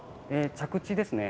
着地ですね。